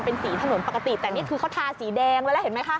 เป็นสีถนนปกติแต่นี่คือเขาทาสีแดงไว้แล้วเห็นไหมคะ